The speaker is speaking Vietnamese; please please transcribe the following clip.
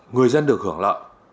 người dân được hưởng lợi